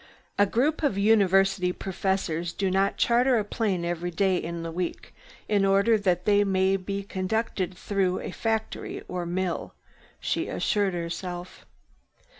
"A group of University professors do not charter a plane every day in the week in order that they may be conducted through a factory or mill," she assured herself.